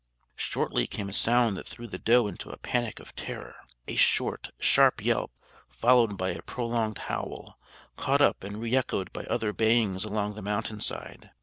Shortly came a sound that threw the doe into a panic of terror a short, sharp yelp, followed by a prolonged howl, caught up and re echoed by other bayings along the mountain side.